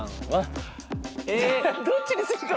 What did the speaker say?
どっちにするか。